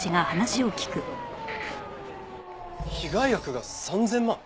被害額が３０００万！？